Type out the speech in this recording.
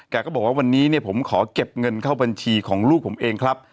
ก็บอกว่าวันนี้เนี่ยผมขอเก็บเงินเข้าบัญชีของลูกผมเองครับ